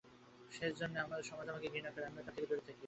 সেজন্যে সমাজ আমাকে ঘৃণা করে, আমিও তার থেকে দূরে থাকি।